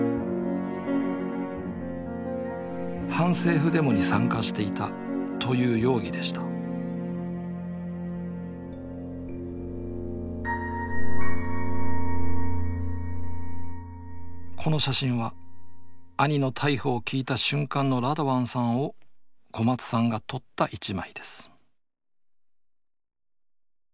反政府デモに参加していたという容疑でしたこの写真は兄の逮捕を聞いた瞬間のラドワンさんを小松さんが撮った一枚です